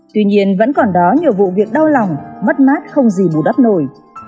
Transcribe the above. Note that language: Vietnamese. tuy nhiên vẫn còn đó nhiều vụ việc đau lòng mất mát không gì bù đắp nổi